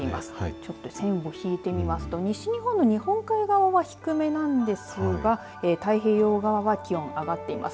ちょっと線を引いてみますと西日本の日本海側は低めなんですが太平洋側は気温が上がっています。